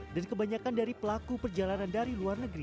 dan kebanyakan dari pelaku perjalanan dari luar negeri